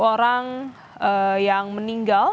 orang yang meninggal